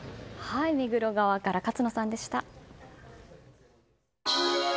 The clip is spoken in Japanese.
目黒川から勝野さんでした。